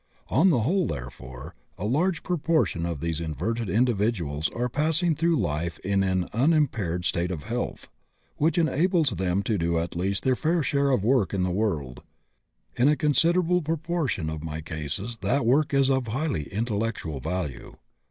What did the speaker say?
On the whole, therefore, a large proportion of these inverted individuals are passing through life in an unimpaired state of health, which enables them to do at least their fair share of work in the world; in a considerable proportion of my cases that work is of high intellectual value.